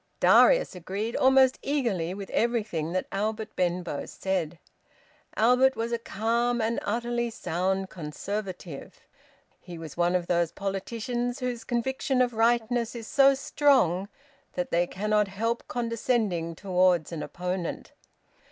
Darius agreed almost eagerly with everything that Albert Benbow said. Albert was a calm and utterly sound Conservative. He was one of those politicians whose conviction of rightness is so strong that they cannot help condescending towards an opponent.